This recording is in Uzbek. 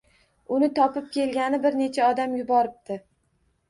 Uni topib kelgani bir necha odam yuboribdi